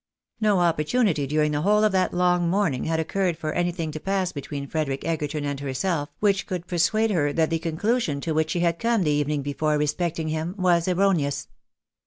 Ko oppor tunity during the whole of that long morning had occurred for anything to pass between Frederic Egerton and herself which could persuade her that the conclusion to which she had come the evening before respecting him was erroneous.